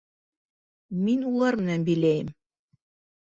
Мин улар менән биләйем.